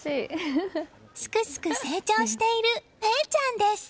すくすく成長している芽生ちゃんです。